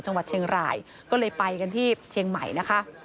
จังหวัดเชียงรายก็เลยไปกันที่เชียงใหม่นะคะ